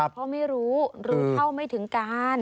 เพราะไม่รู้รู้รู้เท่าไม่ถึงการ